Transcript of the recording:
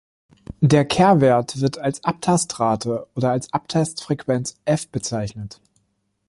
Der Kehrwert wird als Abtastrate oder als Abtastfrequenz "f" bezeichnet.